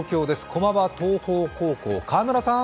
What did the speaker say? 駒場東邦高校、川村さん。